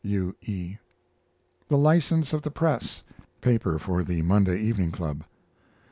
U. E. THE LICENSE OF THE PRESS paper for The Monday Evening Club.